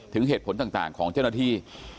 ถึงเหตุผลต่างของเจ้าหน้าที่